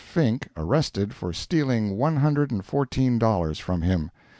Fink, arrested for stealing one hundred and fourteen dollars from him.